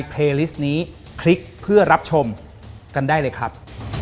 ขอบคุณครับ